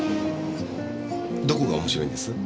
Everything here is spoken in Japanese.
どこが面白いんです？